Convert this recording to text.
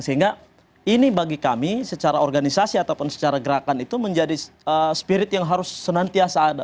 sehingga ini bagi kami secara organisasi ataupun secara gerakan itu menjadi spirit yang harus senantiasa ada